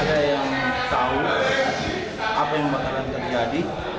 ada yang tahu apa yang bakalan terjadi